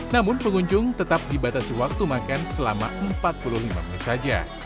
namun pengunjung tetap dibatasi waktu makan selama empat puluh lima menit saja